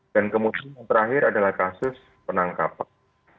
dan kemudian yang terakhir adalah kasus penangkapan